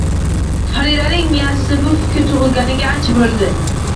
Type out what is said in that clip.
Faridaning miyasida bu fikr tug`ilganiga ancha bo`ldi